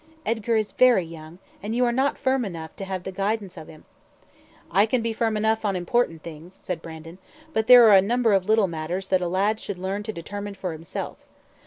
Edgar is very young, and you are not firm enough to have the guidance of him." "I can be firm enough in important things," said Brandon; "but there are a number of little matters that a lad should learn to determine for himself.